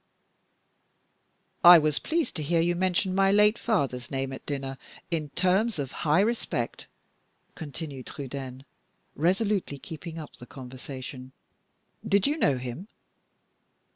"I was pleased to hear you mention my late father's name, at dinner, in terms of high respect," continued Trudaine, resolutely keeping up the conversation. "Did you know him?"